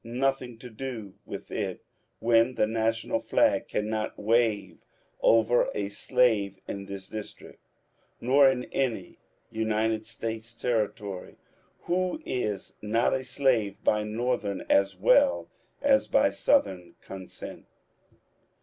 No thing to do with it, when the national flag cannot wave over a slave in this District, nor in any United States Territory, who is not a slave by Northern as well as by Southern con sent!